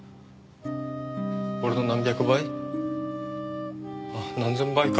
俺の何百倍？あっ何千倍か。